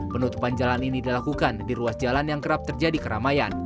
penutupan jalan ini dilakukan di ruas jalan yang kerap terjadi keramaian